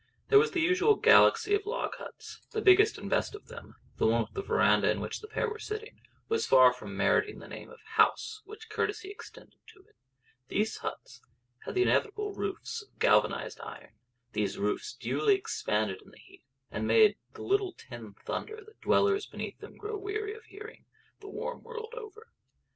There was the usual galaxy of log huts; the biggest and best of them, the one with the verandah in which the pair were sitting, was far from meriting the name of house which courtesy extended to it. These huts had the inevitable roofs of galvanised iron; these roofs duly expanded in the heat, and made the little tin thunder that dwellers beneath them grow weary of hearing, the warm world over.